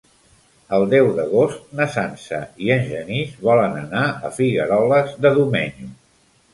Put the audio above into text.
El deu d'agost na Sança i en Genís volen anar a Figueroles de Domenyo.